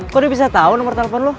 kok dia bisa tau nomer telepon lo